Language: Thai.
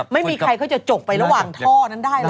ไม่มีใครเขาจะจกไประหว่างท่อนั้นได้หรอ